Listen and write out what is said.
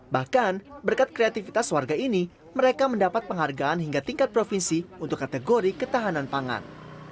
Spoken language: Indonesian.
bahkan berkat kreativitas warga ini mereka mendapat penghargaan hingga tingkat provinsi untuk kategori ketahanan pangan